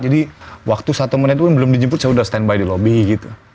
jadi waktu satu menit belum dijemput saya udah stand by di lobby gitu